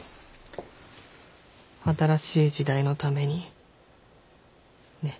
新しい時代のためにね。